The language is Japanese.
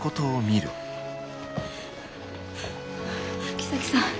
木崎さん